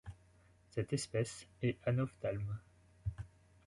Cette espèce est Anophthalme.